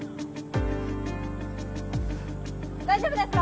大丈夫ですか？